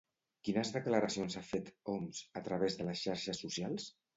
Quines declaracions ha fet, Homs, a través de les xarxes socials?